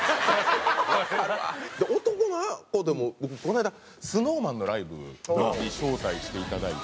男の子でも僕この間ＳｎｏｗＭａｎのライブに招待していただいて。